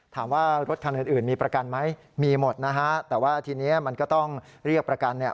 ถามว่ารถคันอื่นมีประกันไหมมีหมดนะฮะแต่ว่าทีนี้มันก็ต้องเรียกประกันเนี่ย